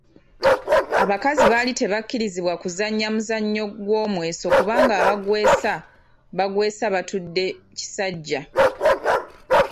Abakazi bali tebakirizibwa kuzanya omuzannyo gw’omweso kubanga abagweesa bagwesa batudde kissajja.